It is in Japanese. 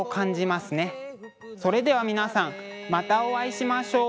それでは皆さんまたお会いしましょう。